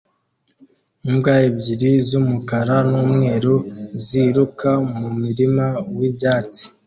Imbwa ebyiri z'umukara n'umweru ziruka mu murima w'icyatsi